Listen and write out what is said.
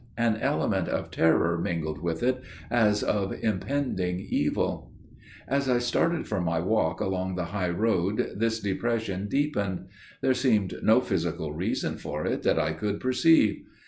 An element of terror mingled with it, as of impending evil. "As I started for my walk along the high road this depression deepened. There seemed no physical reason for it that I could perceive.